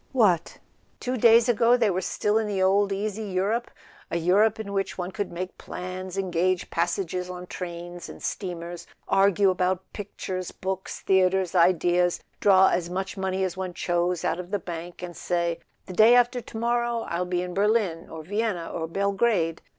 What! Two days ago they were still in the old easy Europe, a Europe in which one could make plans, en¬ gage passages on trains and steamers, argue about pictures, books, theatres, ideas, draw as much money as one chose out of the bank, and say: "The day after to morrow I'll be in Berlin or Vienna or Belgrade."